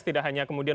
tidak hanya kemudian